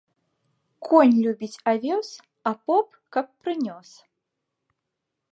Конь любіць авёс, а поп ‒ каб прынёс